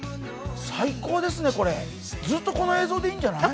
最高ですね、これ、ずっとこの映像でいいんじゃない？